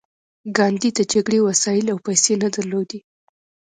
ګاندي د جګړې وسایل او پیسې نه درلودې